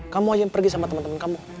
kamu aja yang pergi sama temen temen kamu